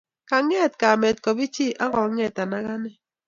Kanget kamet kopichi ak kongeta ak ane